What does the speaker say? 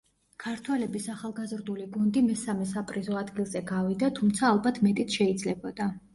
ქართველების ახალგაზრდული გუნდი მესამე საპრიზო ადგილზე გავიდა, თუმცა ალბათ მეტიც შეიძლებოდა.